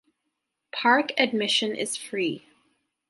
Park admission is free.